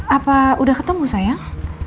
apa udah ketemu sayang